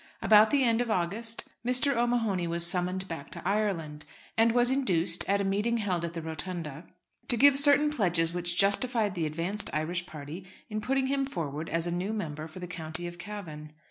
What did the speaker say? About the end of August Mr. O'Mahony was summoned back to Ireland, and was induced, at a meeting held at the Rotunda, to give certain pledges which justified the advanced Irish party in putting him forward as a new member for the County of Cavan.